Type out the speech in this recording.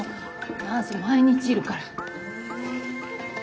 何せ毎日いるから。